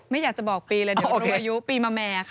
ไม่อยากจะบอกปีเลยเดี๋ยวคนรู้อายุปีมะแม่ค่ะ